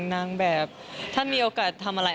นางแบบถ้ามีโอกาสทำอะไร